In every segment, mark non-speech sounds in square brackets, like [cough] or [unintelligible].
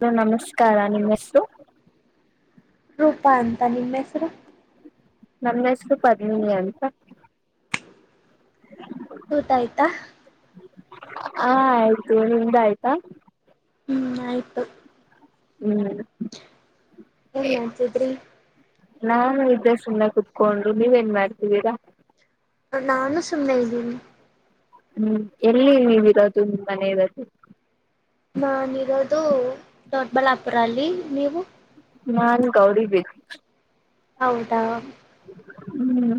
Hello ನಮಸ್ಕಾರ ನಿಮ್ ಹೆಸ್ರು ರೂಪಾ ಅಂತ ನಿಮ್ ಹೆಸ್ರು ನಮ್ ಹೆಸ್ರು ಪದ್ಮಿನಿ ಅಂತ ಊಟಾ ಅಯ್ತಾ ಆ ಆಯ್ತು ನಿಮ್ದ್ಆಯ್ತಾ ಹ್ಮ್ ಆಯ್ತು ಹ್ಮ್ ಏನ್ [unintelligible] ಮಾಡ್ತಿದ್ರಿ ನಾನು ಸುಮ್ನೆ ಕುೂತ್ಕೊಂಡು ನೀವ್ ಏನ್ ಮಾಡ್ತಿದಿರಾ ನಾನು ಸುಮ್ಮನೆ ಇದ್ದೀನಿ ಹ್ಮ್ ಎಲ್ಲಿ ನೀವಿರೋದು ನಿಮ್ಮನೆ ಇರೋದು ನಾನಿರೋದು ದೊಡ್ಡಬಳ್ಳಾಪುರ ಅಲ್ಲಿ ನೀವು ನಾನ್ ಗೌರಿಬಿದ್ ಹೌದಾ ಹ್ಮ್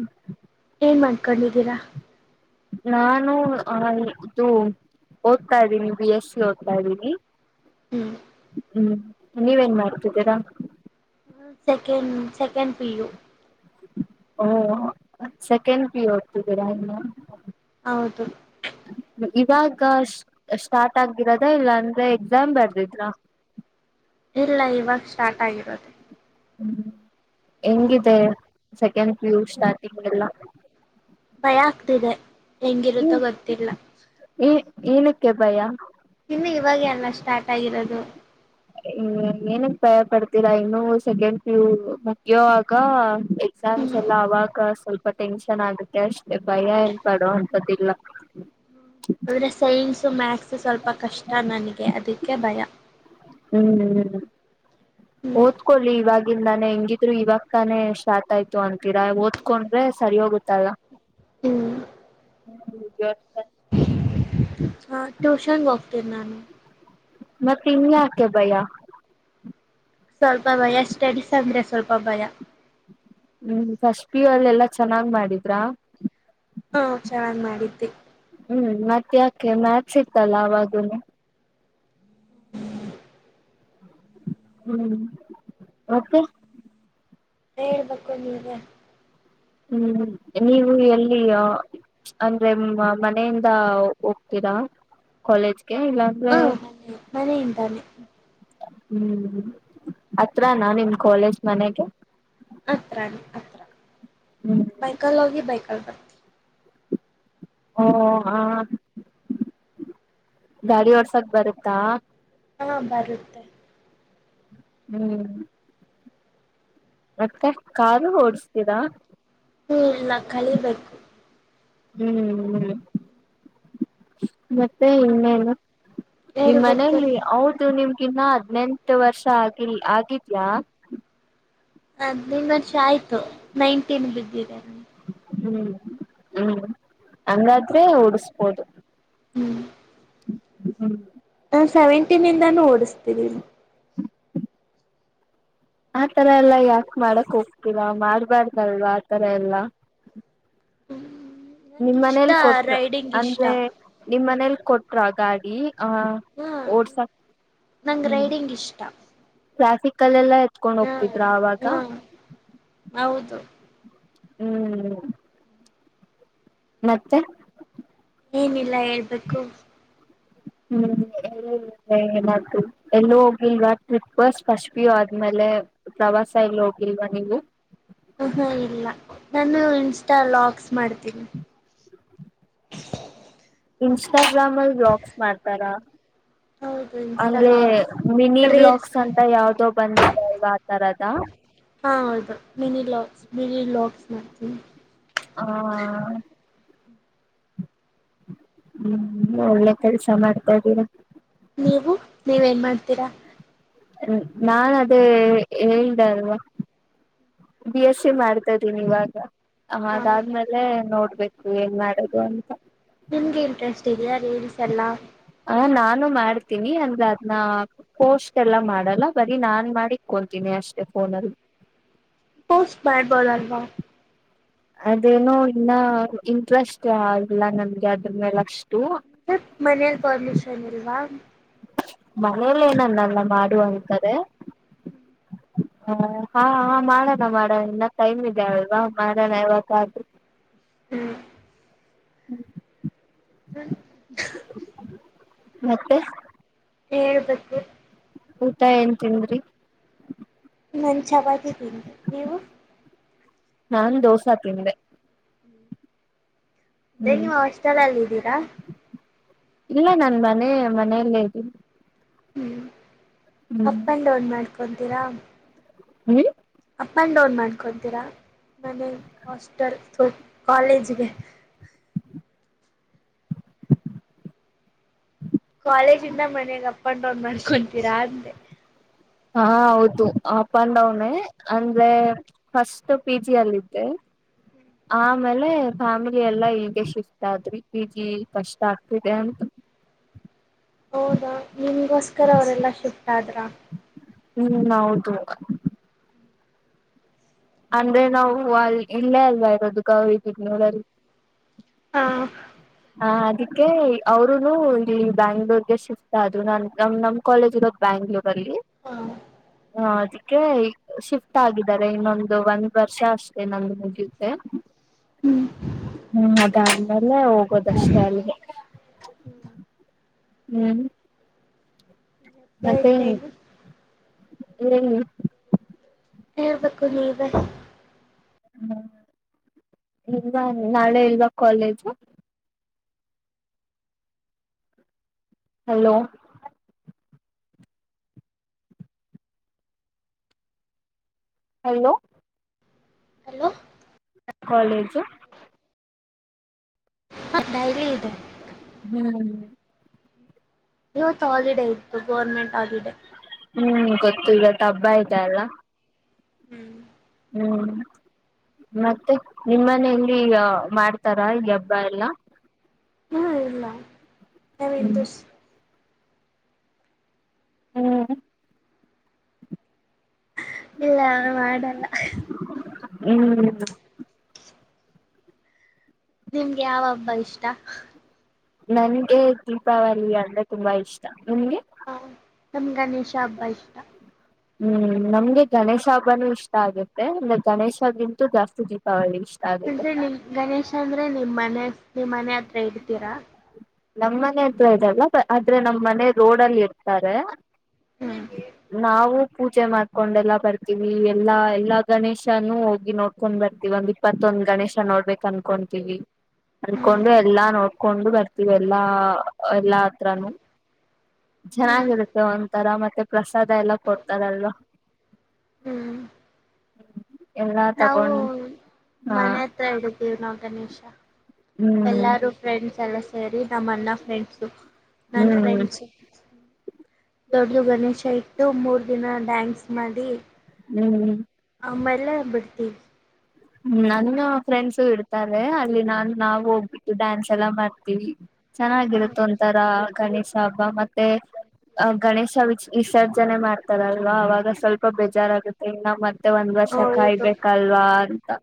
ಏನ್ ಮಾಡ್ಕೊಂಡಿದ್ದೀರಾ ನಾನು ಆ ಇದು ಓದ್ತಾ ಇದ್ದೀನಿ ಬಿ ಎಸ್ ಸಿ ಓದ್ತಾ ಇದ್ದೀನಿ ಹ್ಮ್ ಹ್ಮ್ ನೀವೇನ್ ಮಾಡ್ತಿದ್ದೀರಾ ನಾ ಸೆಕೆಂಡ್ ಸೆಕೆಂಡ್ ಪಿ ಯು ಓ ಸೆಕೆಂಡ್ ಪಿ ಯು ಒದ್ತಿದ್ದೀರಾ ಹೌದು ಇವಾಗ ಸ್ ಸ್ಟಾರ್ಟ್ ಆಗಿರದ ಇಲ್ಲ ಅಂದ್ರೆ ಎಕ್ಸಾಮ್ ಬರ್ದಿದ್ರ ಇಲ್ಲ ಇವಾಗ ಸ್ಟಾರ್ಟ್ ಆಗಿರೋದು ಹ್ಮ್ ಹೆಂಗಿದೆ ಸೆಕೆಂಡ್ ಪಿ ಯು ಸ್ಟಾರ್ಟಿಂಗ್ ಎಲ್ಲ ಭಯ ಆಗ್ತಿದೆ ಹೆಂಗಿರುತ್ತೋ ಗೊತ್ತಿಲ್ಲ ಏನಿಕ್ಕೆ ಭಯ ಇನ್ನು ಇವಾಗ ಎಲ್ಲ ಸ್ಟಾರ್ಟ್ ಆಗಿರೋದು ಹ್ಮ್ ಏನನ್ ಭಯ ಪಡ್ತೀರಾ ಇನ್ನು ಸೆಕೆಂಡ್ ಪಿ ಯು ಮುಗಿಯೊ ವಾಗ ಎಕ್ಸಾಮ್ಸ್ ಎಲ್ಲ ಅವಾಗ ಸ್ವಲ್ಪ ಟೆನ್ಷನ್ ಆಗುತ್ತೆ ಅಷ್ಟೆ ಭಯ ಏನ್ಪಡೊ ಅಂತದ್ದಿಲ್ಲ ಅಂದ್ರೆ ಸೈನ್ಸು ಮ್ಯಾಥ್ಸ್ ಸ್ವಲ್ಪ ಕಷ್ಟ ನನ್ಗೆ ಅದಕ್ಕೆ ಭಯ ಹ್ಮ್ ಹ್ಮ್ ಹ್ಮ್ ಓದ್ಕೊಳ್ಳಿ ಇವಾಗ್ ಇನ್ ನಾನ್ ಹೆಂಗಿದ್ರು ಇವಾಗ ತಾನೇ ಸ್ಟಾರ್ಟ್ ಆಯ್ತು ಅಂತೀರಾ ಓದ್ಕೊಂಡ್ರೆ ಸರಿ ಹೋಗುತ್ತಲ್ಲ ಹ್ಮ್ ಹ [unintelligible] ಹ ಟ್ಯೂಷನ್ ಹೋಗ್ತೀನಿ ನಾನು ಮತ್ತೆ ಇನ್ಯಾಕೆ ಭಯಾ ಸ್ವಲ್ಪ ಭಯ ಸ್ಟಡೀಸ್ ಅಂದ್ರೆ ಸ್ವಲ್ಪ ಭಯ ಹ್ಮ್ ಪಸ್ಟ್ ಪಿಯು ಅಲ್ಲೆಲ್ಲಾ ಚೆನ್ನಾಗ್ ಮಾಡಿದ್ರಾ ಹಾ ಚೆನ್ನಾಗ್ ಮಾಡಿದ್ದೆ ಹ್ಮ್ ಮತ್ ಯಾಕೆ ಮ್ಯಾತ್ಸ್ ಇತ್ತಲ್ಲ ಅವಾಗುನು ಹ್ಮ್ ಮತ್ತೆ ಹೇಳ್ಬೇಕು ನೀವೆ ಹ್ಮ್ ನೀವು ಎಲ್ಲಿ ಅಂದ್ರೆ ಮನೆಯಿಂದ ಹೋಗ್ ಕಾಲೇಜ್ಗೆ ಇಲ್ಲಾಂದ್ರೆ ಹಾ ಮನೆ ಮನೆಯಿಂದಾನೆ ಹ್ಮ್ ಹತ್ರನಾ ನಿಮ್ ಕಾಲೇಜ್ ಮನೆಗೆ ಹತ್ರ ಹತ್ರ ಬೈಕಲ್ ಹೋಗಿ ಬೈಕಲ್ ಬರ್ತೀ ಓ ಆ ಗಾಡಿ ಓಡ್ಸಕ್ ಬರುತ್ತಾ. ಹಾ ಬರುತ್ತೆ ಹ್ಮ್ ಮತ್ತ ಕಾರು ಓಡುಸ್ತಿರ. ಹ್ಮ್ ಇನ್ನ ಕಲಿಬೇಕು. ಹ್ಮ್ ಹ್ಮ್ ಮತ್ತೆ ಇನ್ನೇನು. ನಿಮ್ಮ್ ಹೇಳ್ಬೇಕು ಮನೆಯಲ್ಲಿ ನೀವು. ಹೌದು ನಿಮ್ ಇನ್ನ ಹದ್ನೆಂಟು ವರ್ಷ ಆಗಿಲ್ ಆಗಿದ್ಯಾ. [unintelligible] ವರ್ಷ ಆಯ್ತು ನೈನ್ಟೀನ್ ಬಿದ್ದಿದೆ ಹ್ಮ್ ಹ್ಮ್ ಹಂಗಾದ್ರೆ ಉಡ್ಸ್ಬೋದು. ಹ್ಮ್ ಹ್ಮ್ ಹ ಸೆವೆಂಟೀನ್ಂದಾನು ಓಡುಸ್ತಿದಿನಿ. ಆತರ ಎಲ್ಲಾ ಯಾಕ್ ಮಾಡಕ್ ಹೋಗ್ತಿರ ಮಾಡ್ಬಾರ್ದಲ್ವಾ ಆತರ ಎಲ್ಲಾ. ನಂಗೆ ಇಷ್ಟ ನಿಮ್ಮನೇಲ್ ಕೊಟ್ ರೈಡಿಂಗ್ ಇಷ್ಟ ಅಂದ್ರೆ ನಿಮ್ಮನೇಲ್ ಕೊಟ್ರ ಗಾಡಿ. ಹ ಹಾ ಓಡ್ಸ ಕರ್ ನಂಗೆ ಹ್ಮ ರೈಡಿಂಗ್ ಇಷ್ಟ ಟ್ರಾಫಿಕಲೆಲ್ಲಾ. ಎತ್ಕೊಂಡ್ ಹಾ ಹೋಗ್ತಿದ್ರಾ ಆವಾಗ. ಹಾ ಹೌದು ಹ್ಮ್ ಮತ್ತೆ ಏನಿಲ್ಲ ಹೇಳ್ಬೇಕು. ಹ್ಮ್ ಎ ಏನಾದು ಎಲ್ಲು ಹೋಗಿಲ್ವಾ ಟ್ರಿಪ್ ಫಸ್ಟ್ ಪಿ ಯು ಆದ್ಮೇಲೆ. ಪ್ರವಾಸ ಎಲ್ಲೂ ಹೋಗಿಲ್ವಾ ನೀವು. ಉ ಹು ಇಲ್ಲ ನಾನು ಇನ್ಸ್ಟಾ ಲಾಕ್ಸ್ ಮಾಡ್ತೀನಿ. ಇನ್ಸ್ಟಾಗ್ರಾಮ್ ಅಲ್ಲಿ ಹೌ ಅಂಗೆ ಮಿನಿ ಬ್ಲಾಕ್ಸ್ ಅಂತ ಮಾಡ್ತೀನಿ ಯಾವ್ದೋ ಬಂದಿದೆಲ್ವಾ ಆ ತರದ. ಹಾ ಹೌದು ಮಿನಿ ಲಾಕ್ಸ್ ಮಿನಿ ಲಾಕ್ಸ್ ಮಾಡ್ತೀನಿ. ಹಾ ಹ್ಮ್ ಒಳ್ಳೆ ಕೆಲ್ಸ ಮಾಡ್ತಾ ಇದ್ದೀರಾ. ನೀವು ನೀವೇನ್ ಮಾಡ್ತೀರಾ. ನಾ ಅದೇ ಹೇಳ್ದೆ ಅಲ್ವಾ. ಬಿ ಎಸ್ ಸಿ ಮಾಡ್ತಾ ಇದೀನಿ ಇವಾಗ ಹ ಅದಾದ್ಮೇಲೆ ನೋಡ್ಬೇಕು. ಏನ್ ಮಾಡದು ಅಂತ ನಿಮ್ಗೆ ಇಂಟ್ರೆಸ್ಟ್ ಇದ್ಯ ರೀಲ್ಸ್ ಎಲ್ಲಾ. ನಾನು ಮಾಡ್ತೀನಿ ಅಂದ್ರೆ ಅದನ್ನ ಪೋಸ್ಟ್ ಎಲ್ಲ ಮಾಡಲ್ಲ ಬರೀ ನಾನ್ ಮಾಡಿಕೊತೀನಿ. ಅಷ್ಟೇ ಫೋನಲ್ಲಿ. ಪೋಸ್ಟ್ ಮಾಡ್ಬೊದಲ್ವಾ. ಅದೇನೂ ಇನ್ನ ಇಂಟ್ರೆಸ್ಟ್ ಆಗಿಲ್ಲ ನನ್ಗೆ ಅದ್ರ ಮೇಲ್ ಅಷ್ಟು. ಮನೇೆಯಲ್ಲಿ ಪರ್ಮಿಷನ್ ಇಲ್ವಾ. ಮನೇಲಿ ಏನ್ ಅನ್ನಲ್ಲ ಮಾಡು ಅಂತಾರೆ. ಹ ಹಾ ಹ ಮಾಡಣ ಮಾಡೋಣ ಇನ್ನ ಟೈಮ್ ಇದೆ ಅಲ್ವಾ ಮಾಡೋಣ ಯಾವ್ಗಾದ್ರು ಹ್ಮ ಹ್ಮ ಹ್ಮ [unintelligible] ಮತ್ತೆ ಹೇಳ್ಬೇಕು ಊಟ ಏನ್ ತಿಂದ್ರಿ ನಾನ್ ಚಪಾತಿ ತಿಂದೆ ನೀವು ನಾನು ದೋಸಾ ತಿಂದೆ. ಅದೇ ಹ್ಮ್ ನೀವು ಅಸ್ಟಲಲ್ ಇದಿದ್ದೀರಾ. ಇಲ್ಲ ನನ್ ಮನೆ ಮನೆಯಲ್ಲೇ ಇದ್ದೀನಿ ಹ್ಮ್ ಹ್ಮ್ ಅಪ್ ಅಂಡ್ ಡೌನ್ ಮಾಡ್ಕೊತೀರಾ ಹ್ಮ್ ಅಪ್ ಆ್ಯಂಡ್ ಡೌನ್ ಮಾಡ್ಕೊತೀರಾ ಮನೆಗೆ ಹಾಸ್ಟೆಲ್ ಕಾಲೇಜಿಗೆ ಕಾಲೇಜಿಂದ ಮನಯಾಗ ಅಪ್ ಅಂಡ್ ಡೌನ್ ಮಾಡ್ಕೊತೀರಾ ಅಂದೆ ಹಾ ಹೌದು ಅಪ್ ಅಂಡ್ ಡೌನ್ ಅಂದ್ರೆ ಫಸ್ಟ್ ಪಿ ಜಿ ಅಲ್ಲಿದ್ದೆ ಆಮೇಲೆ ಫ್ಯಾಮಿಲಿ ಎಲ್ಲಾ ಹೀಗೆ ಶಿಫ್ಟ್ ಆದ್ರಿ ಈಗಿ ಕಷ್ಟ ಆಗ್ತಿದೆ ಅಂತ ಹೌದಾ ನಿಮ್ಗೋಸ್ಕರ ಅವರೆಲ್ಲಾ ಶಿಫ್ಟ್ ಆದ್ರ ಹ್ಮ್ ಹೌದು ಅಂದ್ರೆ ನಾವು ಅ ಇಲ್ಲೇ ಅಲ್ವಾ ಇರೋದು ಗ ನೋಡಲ್ಲಿ ಹಾ ಅದಕ್ಕೆ ಅವರುನು ಇಲ್ಲಿ ಬ್ಯಾಂಗ್ಳೂರ್ಗೆ ಶಿಫ್ಟ ಆದದು ನಾ ನಮ್ ನಮ್ ಕಾಲೇಜ್ ಇರೋ ಬ್ಯಾಂಗ್ಳೂರ್ ಹಾ ಅದಕ್ಕೆ ಶಿಫ್ಟ್ ಆಗಿದ್ದಾರೆ ಇನ್ನೊಂದು ಅದು ಒಂದ್ ವರ್ಷ ಅಷ್ಟೇ ನಮಗೆ ಮುಗಿಯುತ್ತೆ ಹ್ಮ್ ಹ್ಮ್ ಅದಾದ್ಮೇಲೆ ಹೋಗೋದಷ್ಟೇ ಅಲ್ಗೆ ಹ್ಮ್ ಹ್ಮ್ ಎತ್ತದಿನೈದು ಹ್ಮ್ ಹೇಳ್ಬೇಕು ನೀವ ಹ್ಮ ಇಲ್ವಾ ನಾಳೆ ಇಲ್ವಾ college hello hello hello college ಅಡಾಯ ಇದೆ ಹ್ಮ್ ಇವತ್ತು ಹಾಲಿಡೇ ಇತ್ತು ಗೌರ್ಮೆಂಟ್ ಹಾಲಿಡೇ ಹ್ಮ್ ಗೊತ್ತು ಈಗ ಟ ಹಬ್ಬ ಆಯ್ತಾ ಎಲ್ಲ ಹ್ಮ್ ಹ್ಮ್ ಮತ್ತೆ ನಿಮ್ಮನೆಯಲ್ಲಿ ಮಾಡ್ತಾರ ಈ ಹಬ್ಬ ಎಲ್ಲಾ ಹ್ಮ ಇಲ್ಲಾ ಯಂದ ಹ್ಮ್ ಹ್ಮ್ ಇಲ್ಲ ಅವ ಮಾಡಲ್ಲ ಹ್ಮ್ ನಿಮ್ಗೆ ಯಾವ ಹಬ್ಬ ಇಷ್ಟ ನನ್ಗೆ ದೀಪಾವಳಿ ಅಂದ್ರೆ ತುಂಬಾ ಇಷ್ಟ ನಗೆ ಹಾ ನಮ್ ಗಣೇಶ ಹಬ್ಬಾ ಇಷ್ಟ ಹ್ಮ್ ನಮ್ಗೆ ಗಣೇಶ ಹಬ್ಬನೂ ಇಷ್ಟ ಆಗುತ್ತೆ ಅಂದ್ರೆ ಗಣೇಶಗಿಂತೂ ಜಾಸ್ತಿ ದೀಪಾವಳಿ ಇಷ್ಟ ಆಗುತ್ತೆ ಅಂದ್ರೆ ನಿಮ ಗಣೇಶ ಅಂದ್ರೆ ನಿಮ್ ಮನೆ ನಿಮ್ ಮನೆ ಹತ್ರ ಇಡ್ತೀರಾ ನಮ್ಮ್ ಮನೆ ಹತ್ರ ಇದಲ್ಲ ಆದ್ರೆ ನಮ್ಮ್ ಮನೆ ರೋಡ್ಲ್ಲಿ ಇರ್ತಾರೆ ಹ್ಮ್ ನಾವು ಪೂಜೆ ಮಾಡ್ಕೊಂಡೆಲ್ಲ ಬರ್ತೀವಿ ಎಲ್ಲಾ ಎಲ್ಲಾ ಗಣೇಶನುೂ ಹೋಗಿ ನೋಡ್ಕೊಂಡ್ ಬರ್ತಿೀವಿ ಒಂದ್ ಇಪ್ಪತ್ತೊಂದ್ ಗಣೇಶ ನೋಡ್ಬೇಕು ಅನ್ಕೊಂತೀವಿ ಹ್ಮ್ ಅಂದಕೊಂಡು ಎಲ್ಲಾ ನೋಡ್ಕೊಂಡು ಬರ್ತೀವಿ ಎಲ್ಲಾ ಎಲ್ಲಾ ಹತ್ರನು ಚೆನ್ನಾಗಿರುತ್ತೆ ಒಂಥರ ಮತ್ತೆ ಪ್ರಸಾದ ಎಲ್ಲ ಕೊಡ್ತಾರಲ್ ಹ್ಮ್ ಎಲ್ಲಾ ನಾವು ತಗೊಂಡ್ ಹಾ ಮನೆ ಹತ್ರ ಇಡಿದೀವಿ ನಾವು ಗಣೇಶ್ ಹ್ಮ್ ಎಲ್ಲಾರು ಫ್ರೆಂಡ್ಸ್ ಎಲ್ಲ ಸೇರಿ ನಮ್ಮನ್ನ ಫ್ರೆಂಡ್ಸು ನನ್ ಹ್ಮ್ ಫ್ರೆಂಡ್ಸ್ ದೊಡ್ಡದು ಗಣೇಶ ಇಟ್ಟು ಮೂರ್ ದಿನ ಡ್ಯಾನ್ಸ್ ಮಾಡಿ ಹ್ಮ್ ಆಮೇಲೆ ಬಿಡ್ತೀವಿ. ಹ್ಮ ನನ್ನ್ ಫ್ರೆಂಡ್ಸು ಇಡ್ತಾರೆ ಅಲ್ಲಿ ನಾನ್ ನಾವು ಹೋಗ್ಬಿಟ್ಟು ಡ್ಯಾನ್ಸ್ ಎಲ್ಲ ಮಾಡ್ತೀವಿ. ಚೆನ್ನಾಗಿರುತ್ ಒಂತರಾ ಗಣೇಶ ಹಬ್ಬ ಮತ್ತೆ ಅ ಗಣೇಶ ವಿಚ್ ವಿಸರ್ಜನೆ ಮಾಡ್. ಮಾಡ್ತಾರಲ್ವಾ ಅವಾಗ ಸ್ವಲ್ಪ ಬೇಜಾರ್ ಆಗತ್ತೆ ನಾವ್ ಮತ್ತೆ ಒಂದ್ ವರ್ಷ ಹೌದು ಕಾಯ್ಬೇಕಲ್ವಾ. ತ.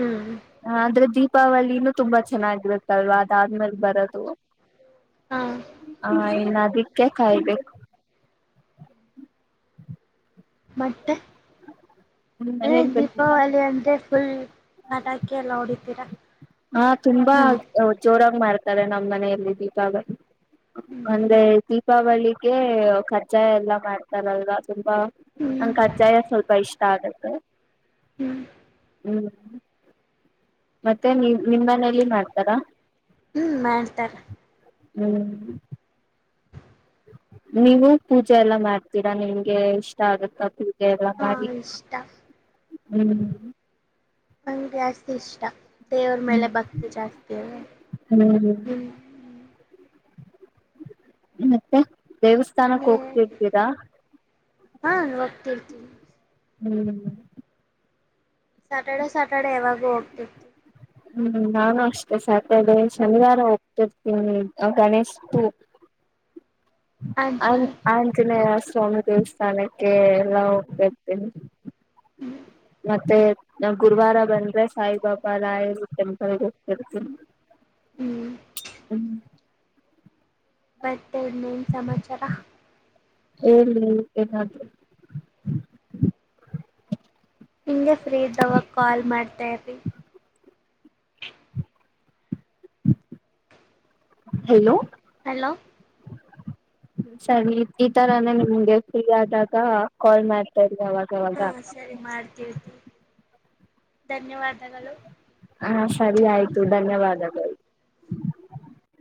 ಹ್ಮ್ ಆದ್ರೆ ದೀಪಾವಳಿನೂ ತುಂಬಾ ಚೆನ್ನಾಗಿರುತ್ತಲ್ವಾ ಅದಾದ್ಮೇಲ್ ಬರದು. ಹಾ ಹಾ ಇನ್ ಅದಿಕ್ಕೆ ಕಾಯ್ಬೇಕು. ಮಟ್ಟೆ ಅದೇ ಹೇಳ್ಬೇಕು ದೀಪಾವಳಿ ಅಂದ್ರೆ ಫುಲ್ ಪಟಾಕಿ ಎಲ್ಲ ಹೊಓಡಿತೀರಾ ಹಾ ತುಂಬಾ ಜೋರಾಗಿ ಮಾಡ್ತಾರೆ ನಮ್ಮ್ ಮನೆಯಲ್ಲಿ ದೀಪಾಗ ಹ್ಮ್ ಅಂದ್ರೆ ದೀಪಾವಳಿಗೆ ಕಜ್ಜಾಯ ಎಲ್ಲಾ ಮಾಡ್ತಾರಲ್ವಾ ತುಂಬಾ ನಂಗೆ ಹ್ಮ್ ಕಜ್ಜಾಯ ಸ್ವಲ್ಪ ಇಷ್ಟ ಆಗತ್ತೆ ಹ್ಮ್ ಹ್ ಮತ್ತೆ ನಿ ನಿಮ್ಮ ಮನೇಲಿ ಮಾಡ್ತಾರಾ ಹ್ಮ್ ಮಾಡ್ತಾರ ಹ್ಮ್ ನೀವು ಪೂಜೆ ಎಲ್ಲ ಮಾಡ್ತೀರಾ ನಿಮ್ಗೆ ಇಷ್ಟ ಆಗತ್ತ ಪೂೆ ಹಾ ಇಷ್ಟ [unintelligible] ಹ್ಮ ನಂಗೆ ಜಾಸ್ತಿ ಇಷ್ಟ ದೇವ್ರ ಹ್ಮ್ ಮೇಲೆ ಭಕ್ತಿ ಜಾಸ್ತಿ ಇದೆ ಹ್ಮ್ ಹ್ಮ ಮತ್ತೆ ದೇವಸ್ಥಾನಕ್ಕೆ ಹೋಗ್ತಿರ್ತೀರಾ ಹಾ ಹೋಗ್ತಿರ್ತೀನಿ ಹ್ಮ್ ಸ್ಯಾಟರ್ಡೆ ಸ್ಯಾಟರ್ಡೆ ಯಾವಾಗ್ಲು ಹೋಗ್ತಿತ್ತು ಹ್ಮ್ ನಾನು ಅಷ್ಟೇ ಸಾಟರ್ಡೆ ಶನಿವಾರ ಹೋಗ್ತಿರ್ತೀನಿ ಗಣೇಶ್ ಪೂ [inaudible] ಆ ಆಂಜನ ಆಂಜನೇಯ ಸ್ವಾಮಿ ದೇವಸ್ಥಾನಕ್ಕೆ ಎಲ್ಲಾ ಹೋಗ್ತಇರ್ತೀವಿ ಹ್ಮ್ ಮತ್ತೆ ನಾವು ಗುರುವಾರ ಬಂದ್ರೆ ಸಾಯಿಬಾಬಾ ರಾಯರು ಟೆಂಪಲ್ ಹೋಗ್ತಿರ್ತೀನಿ ಹ್ಮ [unintelligible] ಹ್ಮ್ [unintelligible] ಮತ್ತೆನ್ ಸಮಾಚಾರ [unintelligible] ಎಲ್ಲಿ [unintelligible] ಇಂಗೆ ಫ್ರೀ ಇದ್ದವಾಗ ಕಾಲ್ ಮಾಡ್ತಾ ಇರ್ರಿ [unintelligible] ಹಲೋ ಹಲೋ [unintelligible] ಸರಿ ಈ ತರಾನೇ ನಿಮ್ಗೆ ಫ್ರೀ ಆದಾಗ ಕಾಲ್ ಮಾಡ್ತಾಇರ್ತೀವಿ [unintelligible] ಹಾ ಸರಿ ಮಾಡ್ತೀರ್ಥಿವಿ ಧನ್ಯವಾದಗಳು [unintelligible] ಹಾ ಸರಿ ಆಯ್ತು ಧನ್ಯವಾದಗಳು [unintelligible]